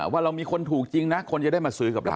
ว่าเรามีคนถูกจริงนะคนจะได้มาซื้อกับเรา